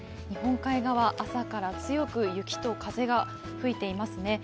日本海側、朝から強く雪と風が吹いていますね。